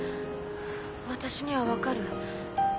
私には分かる。